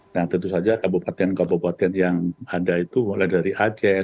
nah tentu saja kabupaten kabupaten yang ada itu mulai dari aceh